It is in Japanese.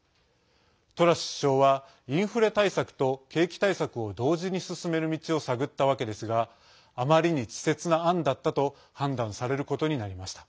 トラス首相は、インフレ対策と景気対策を同時に進める道を探ったわけですがあまりに稚拙な案だったと判断されることになりました。